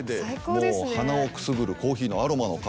もう鼻をくすぐるコーヒーのアロマの香り。